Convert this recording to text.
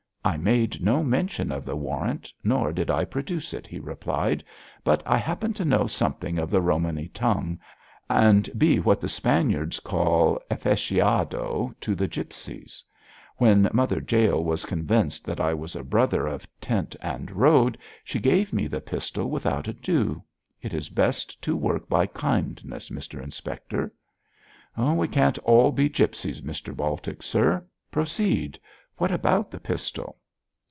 'I made no mention of the warrant, nor did I produce it,' he replied, 'but I happen to know something of the Romany tongue, and be what the Spaniards call "affeciado" to the gipsies. When Mother Jael was convinced that I was a brother of tent and road, she gave me the pistol without ado. It is best to work by kindness, Mr Inspector.' 'We can't all be gipsies, Mr Baltic, sir. Proceed! What about the pistol?'